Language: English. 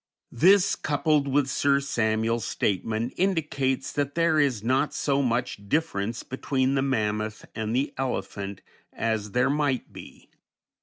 This, coupled with Sir Samuel's statement, indicates that there is not so much difference between the mammoth and the elephant as there might be.